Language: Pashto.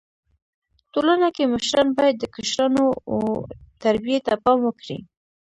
ټولنه کي مشران بايد د کشرانو و تربيي ته پام وکړي.